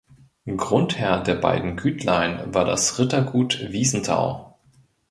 Grundherr der beiden Gütlein war das Rittergut Wiesenthau.